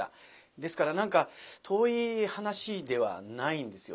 ですから何か遠い話ではないんですよね。